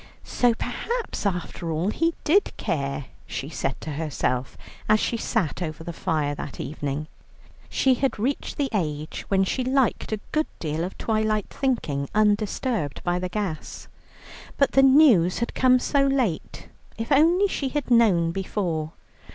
"So perhaps after all he did care," she said to herself, as she sat over the fire that evening, she had reached the age when she liked a good deal of twilight thinking undisturbed by the gas. But the news had come so late; if only she had known before.